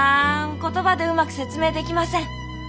言葉でうまく説明できません。